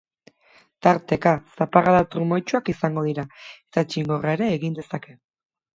Tarteka, zaparrada trumoitsuak izango dira, eta txingorra ere egin dezake.